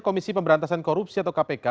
komisi pemberantasan korupsi atau kpk